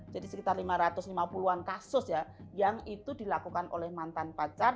jadi sekitar lima ratus lima puluh an kasus yang itu dilakukan oleh mantan pacar